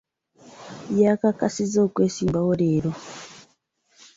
Yakakasizza okwesimbawo leero.